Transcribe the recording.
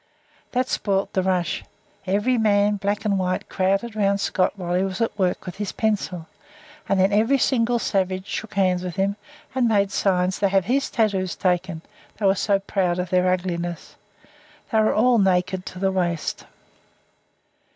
That spoiled the rush; every man, black and white, crowded around Scott while he was at work with his pencil, and then every single savage shook hands with him, and made signs to have his tattoos taken, they were so proud of their ugliness. They were all naked to the waist.